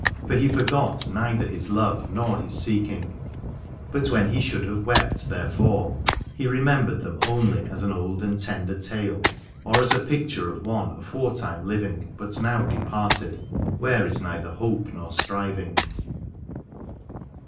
For he forgot neither his love nor his seeking: but when he should have wept therefor he remembered them only as an old and tender tale, or as a picture of one aforetime living, but now departed where is neither hope nor striving.